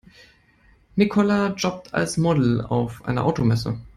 Nicola jobbt als Model auf einer Automesse.